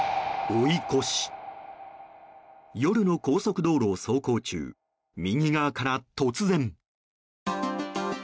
夜の高速道路を走行中右側から突然。